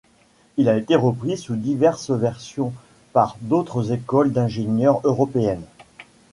Il a été repris sous diverses versions par d'autres écoles d'ingénieurs européennes.